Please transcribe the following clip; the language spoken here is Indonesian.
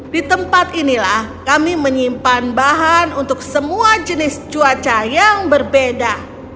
di tempat inilah kami menyimpan bahan untuk semua jenis cuaca yang berbeda